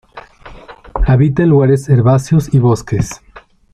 Habita en lugares herbáceos y bosques.